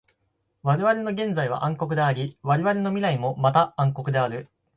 われわれの現在は暗黒であり、われわれの未来もまた暗黒である。